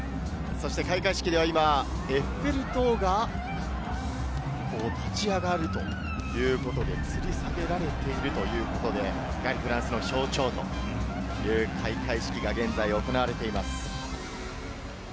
開会式では今、エッフェル塔が立ち上がるということで、吊り下げられているということで、フランスの象徴という開会式が現在行われています。